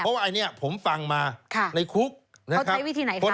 เพราะว่าอันนี้ผมฟังมาในคุกเขาใช้วิธีไหนคะ